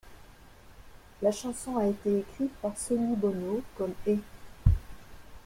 La chanson a été écrite par Sonny Bono comme ' et '.